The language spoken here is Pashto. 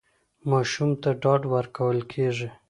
ماشوم ته ډاډ ورکول کېږي.